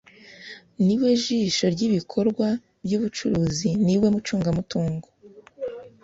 ni we jisho ry’ibikorwa by’ubucuruzi ni we mucungamutungo